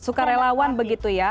sukarelawan begitu ya